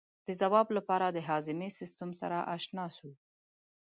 د ځواب لپاره د هاضمې سیستم سره آشنا شو.